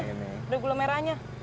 oh iya bener udah gula merahnya